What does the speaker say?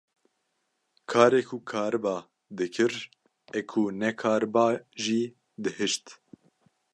Karê ku kariba dikir ê ku nekariba jî dihişt.